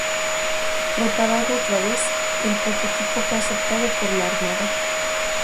Reparado otra vez, el prototipo fue aceptado por la Armada.